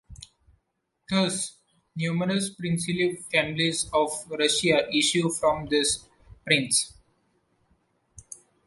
Thus, numerous princely families of Russia issue from this prince.